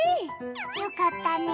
よかったね。